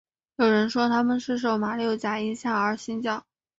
有人说他们是受马六甲影响而信教。